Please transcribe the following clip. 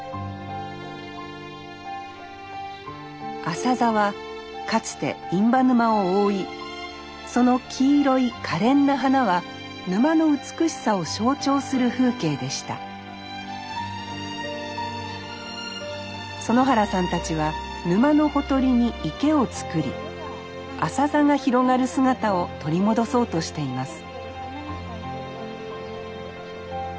アサザはかつて印旛沼を覆いその黄色いかれんな花は沼の美しさを象徴する風景でした園原さんたちは沼のほとりに池をつくりアサザが広がる姿を取り戻そうとしています